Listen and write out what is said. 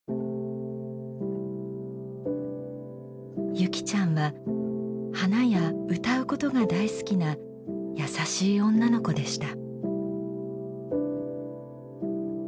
優希ちゃんは花や歌うことが大好きな優しい女の子でした。